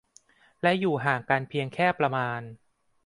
และอยู่ห่างกันเพียงแค่ประมาณ